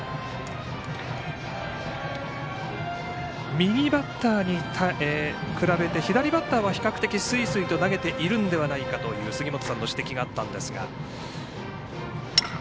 右バッターに比べて左バッターは比較的すいすいと投げているんではないかという杉本さんの指摘があったんですが。